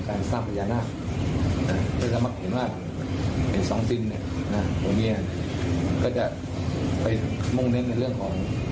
คุณเมียก็จะไปม่วงเน้นในเรื่องของ